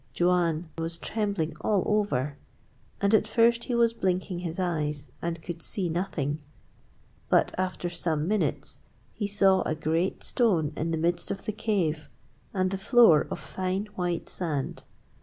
Juan was trembling all over, and at first he was blinking his eyes and could see nothing. But after some minutes he saw a great stone in the midst of the cave and the floor of fine white sand.